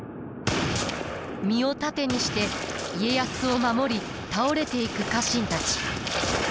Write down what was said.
身を盾にして家康を守り倒れていく家臣たち。